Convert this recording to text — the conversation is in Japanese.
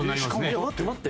いや待って待って？